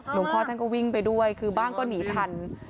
หลวงพ่อท่านก็วิ่งไปด้วยคือบ้างก็หนีทัน